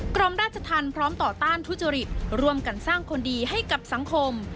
กรมราชธรรมพร้อมต่อต้านทุจริตร่วมกันสร้างคนดีให้กับสังคม